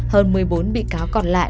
hơn một mươi bốn bị cáo còn lại